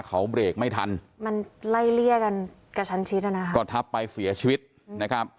เขาเบรกไม่ทันมันไล่เลี่ยกันกระชันชิดอ่ะนะคะก็ทับไปเสียชีวิตนะครับ